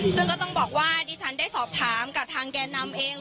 ซึ่งก็ต้องบอกว่าดิฉันได้สอบถามกับทางแก่นำเอง